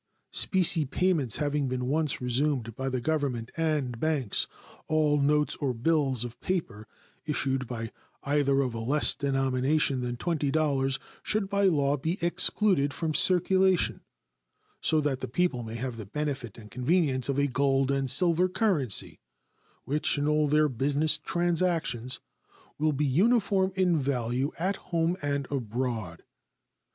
Specie payments having been once resumed by the Government and banks, all notes or bills of paper issued by either of a less denomination than $20 should by law be excluded from circulation, so that the people may have the benefit and convenience of a gold and silver currency which in all their business transactions will be uniform in value at home and abroad.